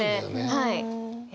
はい。